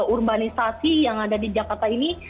urbanisasi yang ada di jakarta ini